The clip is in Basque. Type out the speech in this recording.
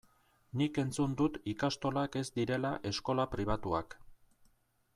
Nik entzun dut ikastolak ez direla eskola pribatuak.